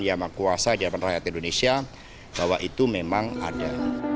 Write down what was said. yang mengkuasai di hadapan rakyat indonesia bahwa itu memang ada